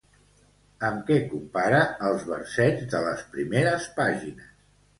Amb què compara els versets de les primeres pàgines?